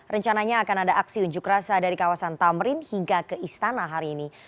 rencananya akan ada aksi unjuk rasa dari kawasan tamrin hingga ke istana hari ini